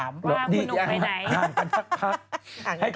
พี่หนู